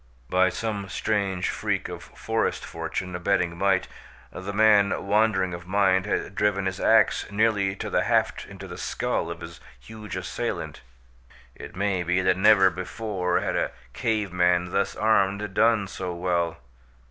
By some strange freak of forest fortune abetting might the man wandering of mind had driven his ax nearly to the haft into the skull of his huge assailant. It may be that never before had a cave man, thus armed, done so well.